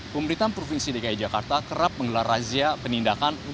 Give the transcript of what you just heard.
pemerintah provinsi dki jakarta kerap mengelar razia penindakan